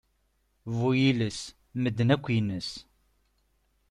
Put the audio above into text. Bu yiles, medden akk yines.